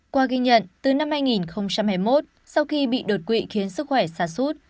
qua ghi nhận từ năm hai nghìn hai mươi một sau khi bị đột quỵ khiến sức khỏe xa suốt